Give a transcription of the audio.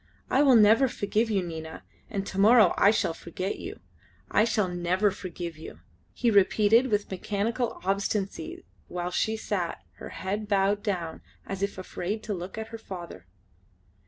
I will never forgive you, Nina; and to morrow I shall forget you! I shall never forgive you," he repeated with mechanical obstinacy while she sat, her head bowed down as if afraid to look at her father.